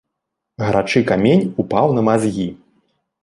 Гарачы камень упаў на мазгі.